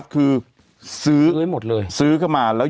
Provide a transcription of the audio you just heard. แต่หนูจะเอากับน้องเขามาแต่ว่า